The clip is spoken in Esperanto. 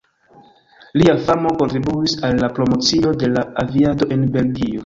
Lia famo kontribuis al la promocio de la aviado en Belgio.